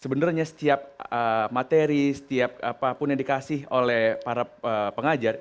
sebenarnya setiap materi setiap apapun yang dikasih oleh para pengajar